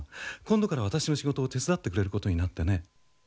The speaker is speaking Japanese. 今度から私の仕事を手伝ってくれることになってね。